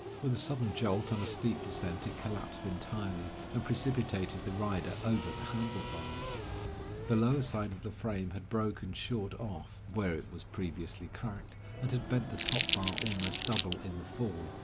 With a sudden jolt on a steep descent, it collapsed entirely, and precipitated the rider over the handle bars. The lower part of the frame had broken short off, where it was previously cracked, and had bent the top bar almost double in the fall.